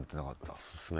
そうですね。